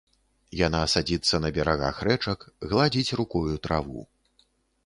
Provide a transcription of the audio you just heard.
Яна садзіцца на берагах рэчак, гладзіць рукою траву.